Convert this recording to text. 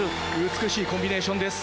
美しいコンビネーションです。